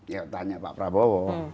ya tanya pak prabowo